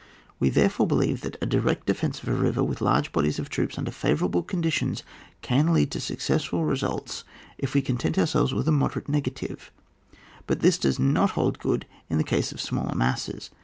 We therefore believe that a direct defence of a river with large bodies of troops, under favourable conditions, can lead to successful results if we content ourselves with a moderate negative: but this does not^ hold good in the case of smaller masses.